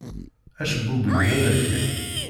Acebbub-iw d aberkan.